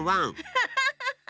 ハッハハハ！